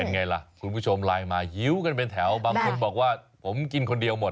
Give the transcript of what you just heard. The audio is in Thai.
ไงล่ะคุณผู้ชมไลน์มาหิวกันเป็นแถวบางคนบอกว่าผมกินคนเดียวหมด